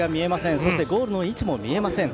そしてゴールの位置も見えません。